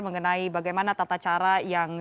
mengenai bagaimana tata cara yang